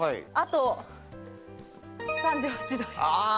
あと３８度。